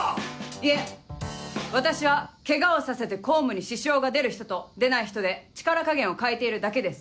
いえ私はケガをさせて公務に支障が出る人と出ない人で力加減を変えているだけです。